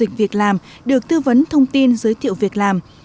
giới thiệu việc làm được tư vấn thông tin giới thiệu việc làm